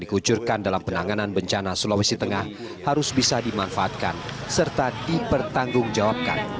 dikucurkan dalam penanganan bencana sulawesi tengah harus bisa dimanfaatkan serta dipertanggungjawabkan